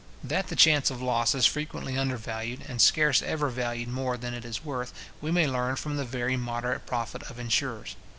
That the chance of loss is frequently undervalued, and scarce ever valued more than it is worth, we may learn from the very moderate profit of insurers.